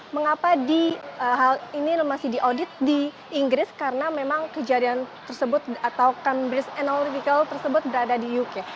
mengapa hal ini masih diaudit di inggris karena memang kejadian tersebut atau cambridge analypical tersebut berada di uk